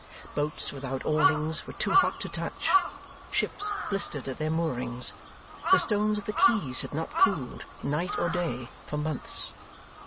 Boats without awnings were too hot to touch; ships blistered at their moorings; the stones of the quays had not cooled, night or day, for months.